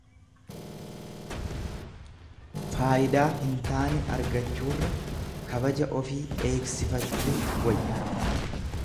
Faayidaa hin taane argachuurra kabaja ofii eegsifachuu wayya.